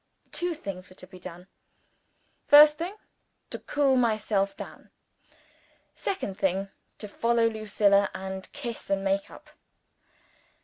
Two things were to be done. First thing: To cool myself down. Second thing: To follow Lucilla, and kiss and make it up.